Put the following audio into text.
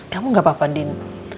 kamu gak apa apa din